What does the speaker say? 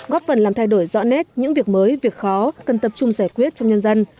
góp phần làm thay đổi rõ nét những việc mới việc khó cần tập trung giải quyết trong nhân dân